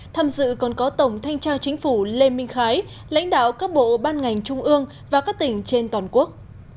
tham dự còn có tổng thanh tra chính phủ lê minh khái lãnh đạo các bộ ban ngành trung ương và các tỉnh trên toàn quốc